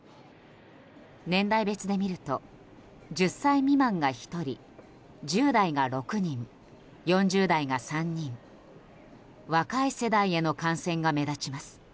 年代別で見ると１０歳未満が１人１０代が６人、４０代が３人若い世代への感染が目立ちます。